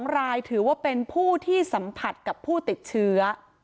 ๒รายถือว่าเป็นผู้ที่สัมผัสกับผู้ติดเชื้อ